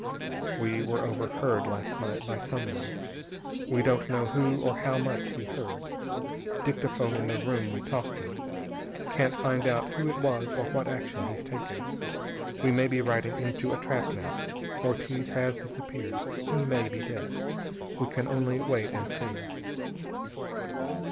We were overheard last night by someone. We don't know who or how much he heard. Dictaphone in the room we talked in. Can't find out who it was or what action he's taken. We may be riding into a trap now. Ortiz has disappeared. He may be dead. We can only wait and see.